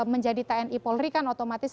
menjadi tni polri kan otomatis